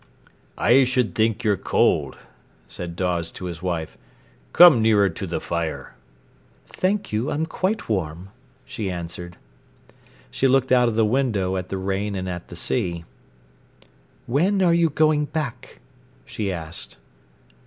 "I should think you're cold," said Dawes to his wife. "Come nearer to the fire." "Thank you, I'm quite warm," she answered. She looked out of the window at the rain and at the sea. "When are you going back?" she asked.